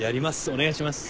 お願いします。